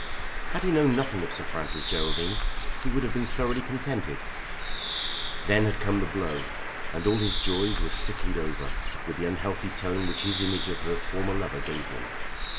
Had he known nothing of Sir Francis Geraldine he would have been thoroughly contented. Then had come the blow, and all his joys were "sicklied over" with the unhealthy tone which his image of her former lover gave him.